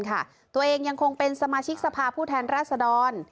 ตัวเองยังคงเป็นสมาชิกสภาพผู้แทนราษดร